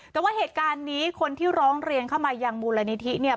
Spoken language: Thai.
แต่ว่าเหตุการณ์นี้คนที่ร้องเรียนเข้ามายังมูลนิธิเนี่ย